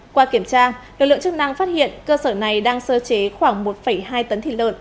qua kiểm tra lực lượng chức năng phát hiện cơ sở này đang sơ chế khoảng một hai tấn thịt lợn